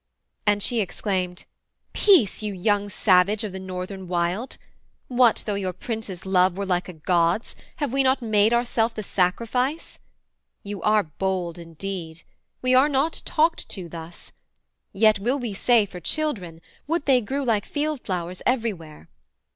And she exclaimed, 'Peace, you young savage of the Northern wild! What! though your Prince's love were like a God's, Have we not made ourself the sacrifice? You are bold indeed: we are not talked to thus: Yet will we say for children, would they grew Like field flowers everywhere!